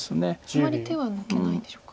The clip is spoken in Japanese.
あまり手は抜けないんでしょうか。